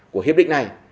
của hiệp định này